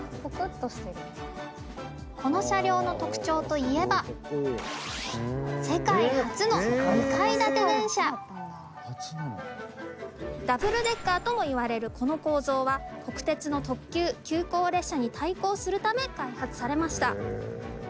この車両の特徴といえばダブルデッカーともいわれるこの構造は国鉄の特急・急行列車に対抗するため開発されました。